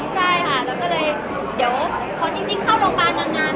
ใช่ค่ะแล้วก็เลยเดี๋ยวพอจริงเข้าโรงพยาบาลนาน